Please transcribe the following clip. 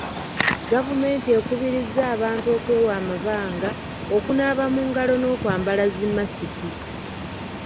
Gavumenti ekubirizza abantu okwewa amabanga, okunaaba mu ngalo n'okwambala zi masiki.